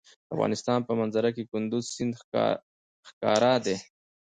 د افغانستان په منظره کې کندز سیند ښکاره دی.